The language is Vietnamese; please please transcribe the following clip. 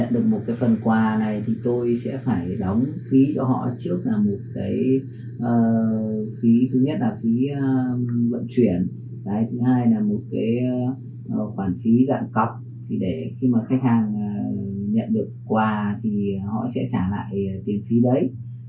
tôi sẽ phải đóng phí cho họ trước là một cái phí thứ nhất là phí vận chuyển thứ hai là một cái khoản phí dặn cọc để khi mà khách hàng nhận được quà thì họ sẽ trả lại tiền phí đấy